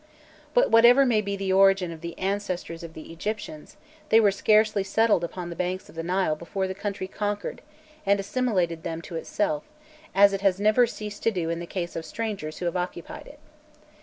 But whatever may be the origin of the ancestors of the Egyptians, they were scarcely settled upon the banks of the Nile before the country conquered, and assimilated them to itself, as it has never ceased to do in the case of strangers who have occupied it.